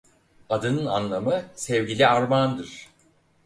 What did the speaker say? Adının anlamı "Sevgili Armağan" dır.